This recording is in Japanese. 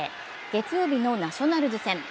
月曜日のナショナルズ戦。